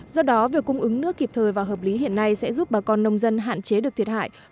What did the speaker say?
do đó việc cung ứng nước kịp thời và hợp lý hiện nay sẽ giúp bà con nông dân hạn chế được thiệt hại